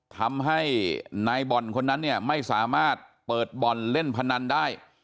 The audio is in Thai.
ทำให้นายบ่อนคนนั้นเนี่ยไม่สามารถเปิดบ่อนเล่นพนันได้